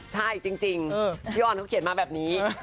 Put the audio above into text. ใช่จริงพี่ออนเขาเขียนมาแบบนี้